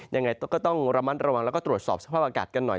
ยังไงก็ต้องระมัดระวังแล้วก็ตรวจสอบสภาพอากาศกันหน่อย